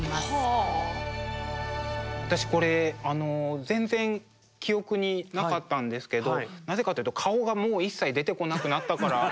私これ全然記憶になかったんですけどなぜかというと顔がもう一切出てこなくなったからなんですよね。